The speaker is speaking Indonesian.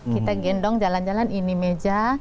kita gendong jalan jalan ini meja